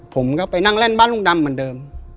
ผมก็ไปนั่งเล่นบ้านลุงดำเหมือนเดิม